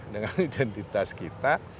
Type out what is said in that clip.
dengan identitas kita